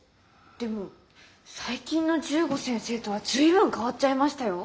でも最近の十五先生とは随分変わっちゃいましたよ。